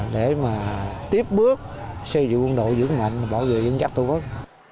để mà tiếp bước xây dựng quân đội dưỡng mạnh và bảo vệ dân chất tổ quốc